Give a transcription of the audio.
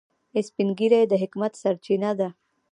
سپین ږیری د حکمت سرچینه ده